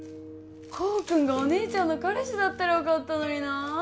功君がお姉ちゃんの彼氏だったらよかったのにな